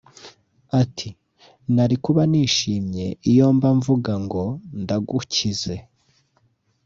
ati “Nari kuba nishimye iyo mba mvuga ngo ndagukize